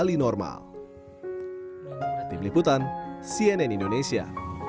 tim liputan cnn indonesia